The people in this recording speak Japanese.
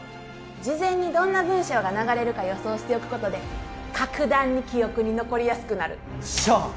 事前にどんな文章が流れるか予想しておくことで格段に記憶に残りやすくなるしゃー！